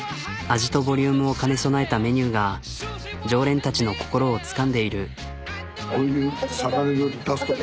味とボリュームを兼ね備えたメニューが常連たちの心をつかんでいる。